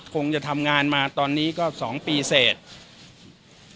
คงจะทำงานมาตอนนี้ก็๒ปีเสร็จ